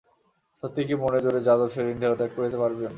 সত্যই কি মনের জোরে যাদব সেদিন দেহত্যাগ করিতে পারবেন?